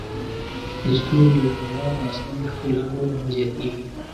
د ستوري له رڼا د آسمان ښکلا نوره هم زیاتیږي.